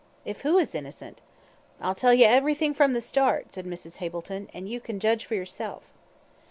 "If who is innocent?" "I'll tell you everythin' from the start," said Mrs. Hableton, "an' you can judge for yourself."